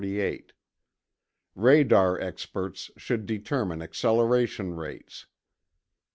Radar experts should determine acceleration rates.